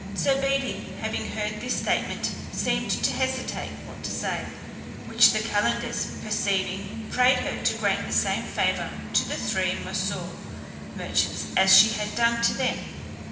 Zobeide having heard this statement, seemed to hesitate what to say, which the calenders perceiving, prayed her to grant the same favour to the three Moussol merchants as she had done to them.